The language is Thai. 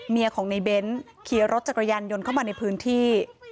เมียของในเบนท์เคลียร์รถจักรยันต์ยนต์เข้ามาในพื้นที่